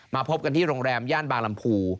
พบกันที่โรงแรมย่านบางลำภู